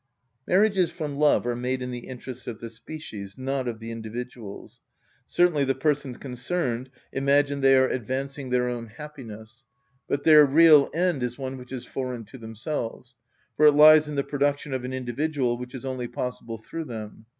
_" Marriages from love are made in the interest of the species, not of the individuals. Certainly the persons concerned imagine they are advancing their own happiness; but their real end is one which is foreign to themselves, for it lies in the production of an individual which is only possible through them.